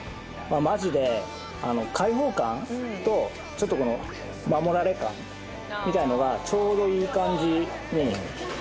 マジで開放感とちょっとこの守られ感みたいなのがちょうどいい感じにハーモニー。